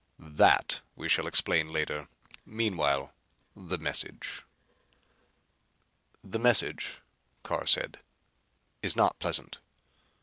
"That we shall explain later. Meanwhile the message!" "The message," Carr said, "is not pleasant.